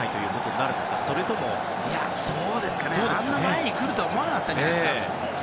あんなに前に来るとは思わなかったんじゃないですかね。